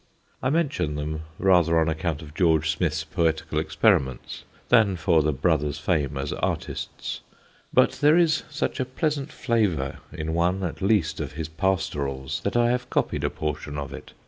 I mention them rather on account of George Smith's poetical experiments than for the brothers' fame as artists; but there is such a pleasant flavour in one at least of his Pastorals that I have copied a portion of it.